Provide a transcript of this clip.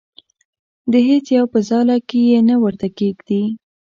د هیڅ یو په ځاله کې یې نه ورته کېږدي.